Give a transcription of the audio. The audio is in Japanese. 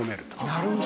なるほど。